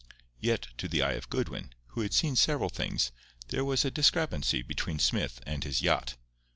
Yet to the eye of Goodwin, who had seen several things, there was a discrepancy between Smith and his yacht.